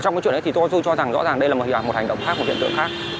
ở trong cái chuyện đấy thì tôi cho rằng rõ ràng đây là một hành động khác một hiện tượng khác